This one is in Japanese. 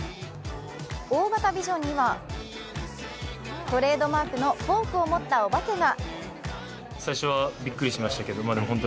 大型ビジョンには、トレードマークのフォークを持ったお化けが。